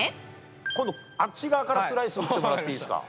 今度あっち側からスライス打ってもらっていいですか。